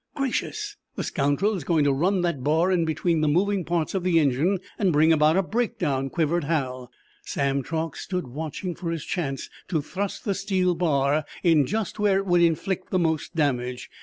"Gracious! The scoundrel is going to run that bar in between the moving parts of the engine and bring about a break down!" quivered Hal. Sam Truax stood watching for his chance to thrust the steel bar in just where it would inflict the most damage.